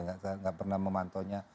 saya tidak pernah memantunya